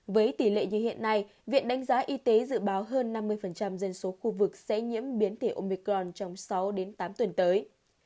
với tỷ lệ như hiện nay viện đánh giá y tế dự báo hơn năm mươi dân số khu vực sẽ nhiễm biến tỷ omicron trong sáu đến tám tuần tới